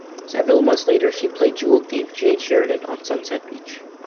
Several months later, she played jewel thief, Jade Sheridan, on "Sunset Beach".